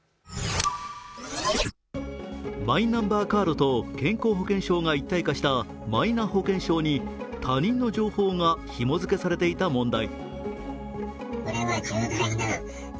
マイナンバーカードと健康保険証が一体化したマイナ保険証に、他人の情報がひも付けされていた問題。